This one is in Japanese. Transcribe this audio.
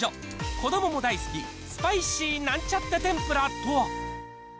子どもも大好き、スパイシーなんちゃって天ぷらとは。